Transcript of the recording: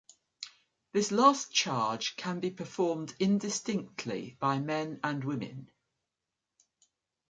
This last charge can be performed indistinctly by men and women.